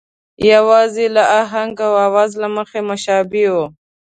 یوازې د آهنګ او آواز له مخې مشابه وو.